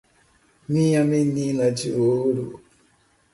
Minha menina de ouro